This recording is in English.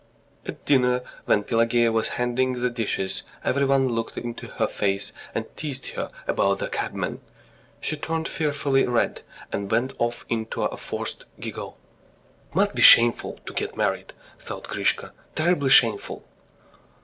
At dinner, when Pelageya was handing the dishes, everyone looked into her face and teased her about the cabman. She turned fearfully red, and went off into a forced giggle. "It must be shameful to get married," thought Grisha. "Terribly shameful."